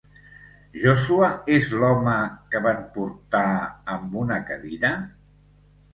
Joshua es l'home que van portar amb una cadira?